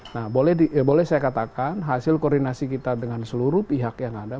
nah boleh saya katakan hasil koordinasi kita dengan seluruh pihak yang ada